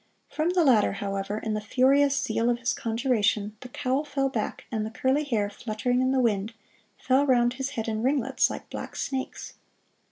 From the latter, however, in the furious zeal of his conjuration, the cowl fell back and the curly hair, fluttering in the wind, fell round his head in ringlets, like black snakes.